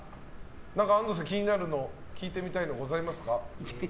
安藤さん、気になるの聞いてみたいのございますか？